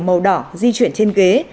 và có một điểm màu đỏ di chuyển trên ghế